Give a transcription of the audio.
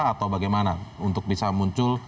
atau bagaimana untuk bisa muncul